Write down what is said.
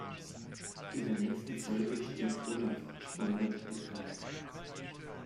In der nächsten Folge stirbt Olaf, spoilert Edgar.